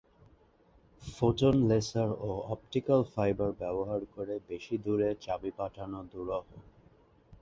Photon laser ও optical fibre ব্যবহার করে বেশি দূরে চাবি পাঠানো দুরূহ।